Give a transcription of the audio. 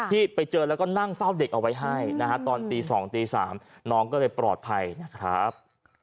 ที่ไปเจอแล้วก็นั่งเฝ้าเด็กเอาไว้ให้นะฮะตอนตี๒ตี๓น้องก็เลยปลอดภัยนะครับ